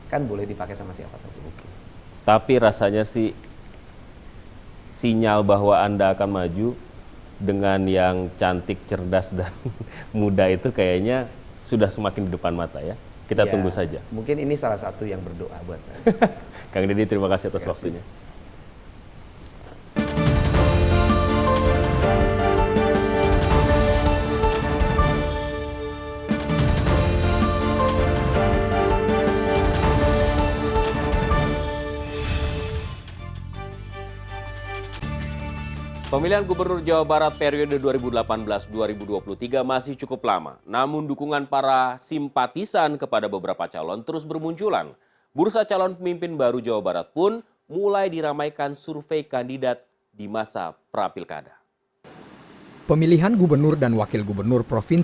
kalau persoalan gagasan